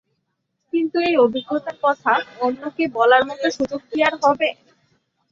কিন্তু এই অভিজ্ঞতার কথা অন্যকে বলার মতো সুযোগ কি আর হবে?